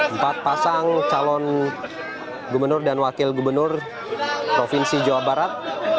empat pasang calon gubernur dan wakil gubernur provinsi jawa barat